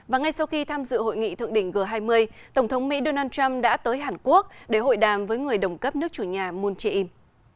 và ngay sau khi tham dự hội nghị thượng đỉnh g hai mươi tổng thống mỹ donald trump đã tới hàn quốc để hội đàm với người đồng cấp nước chủ nhà moon jae in